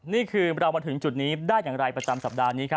นี่คือเรามาถึงจุดนี้ได้อย่างไรประจำสัปดาห์นี้ครับ